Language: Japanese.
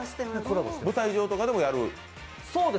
舞台上とかでもやる？